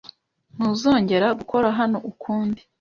Ntuzongera gukora hano ukundi.